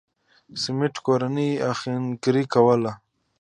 سمېت کورنۍ اهنګري کوله.